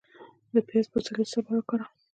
د پیاز پوستکی د څه لپاره وکاروم؟